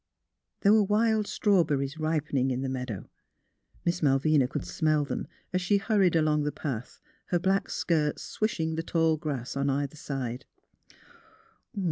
There were wild strawberries ripening in the meadow; Miss Malvina could smell them, as shei hurried along the path, her black skirts swishing the tall grass on either side.